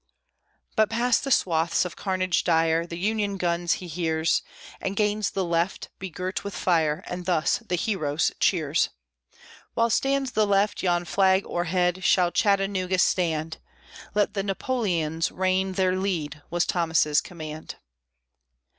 But past the swathes of carnage dire, The Union guns he hears, And gains the left, begirt with fire, And thus the heroes cheers "While stands the left, yon flag o'erhead, Shall Chattanooga stand!" "Let the Napoleons rain their lead!" Was Thomas's command.